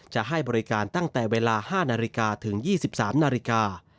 จะให้บริการตั้งแต่เวลา๕นาฬิกาถึง๒๓นาฬิกา